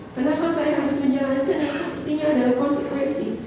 kenapa saya harus menjalankan yang sepertinya adalah konsultasi